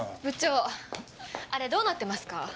部長あれどうなってますか？